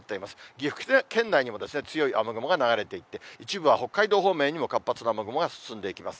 岐阜県内にも強い雨雲が流れていて、一部は北海道方面にも活発な雨雲が進んでいきます。